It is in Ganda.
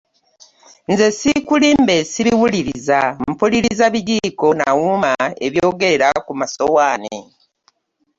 Nze siikulimbe sibiwuliriza mpuliriza bijiiko na wuuma ebyogerera ku masowaani.